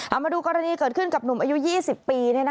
เอามาดูกรณีเกิดขึ้นกับหนุ่มอายุ๒๐ปี